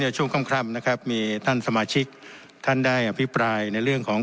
ช่วงค่ำนะครับมีท่านสมาชิกท่านได้อภิปรายในเรื่องของ